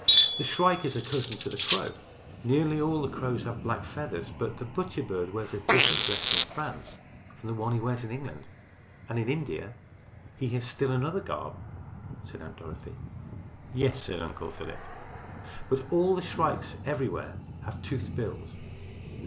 "The shrike is a cousin to the crow. Nearly all the crows have black feathers, but the butcher bird wears a different dress in France from the one he wears in England, and in India he has still another garb," said Aunt Dorothy. "Yes," said Uncle Philip, "but all the shrikes everywhere have toothed bills."